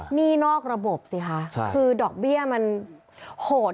หนี้นอกระบบสิคะคือดอกเบี้ยมันโหด